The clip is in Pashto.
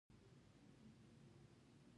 هغه د خدای په هیله ژوند کاوه.